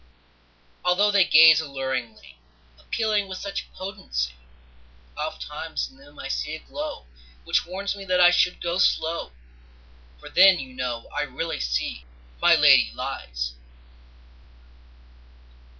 Although they gaze alluringly, Appealing with such potentcy, Oft times in them I see a glow Which warns me that I should go slow, For then, you know, I really see My lady lies!